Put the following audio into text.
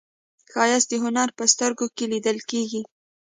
ښایست د هنر په سترګو کې لیدل کېږي